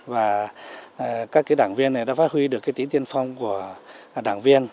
và các đảng viên đã phát huy được tính tiên phong của đảng viên